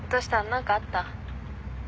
何かあった？